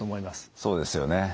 そうですよね。